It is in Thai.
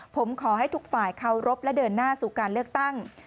ผมขอให้ทุกฝ่ายเคารพและเดินหน้าสู่การเลือกตั้ง